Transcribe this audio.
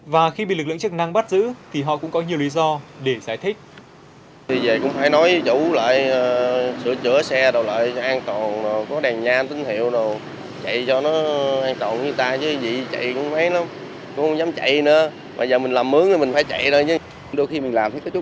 và khi bị lực lượng chức năng bắt giữ thì họ cũng có nhiều lý do để giải thích